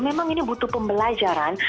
memang ini butuh pembelajaran